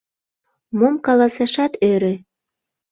Мом каласашат ӧрӧ.